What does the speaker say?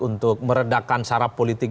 untuk meredakan syarap politik